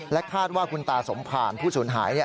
และคาดว่าคุณตาสมภารผู้สูญหาย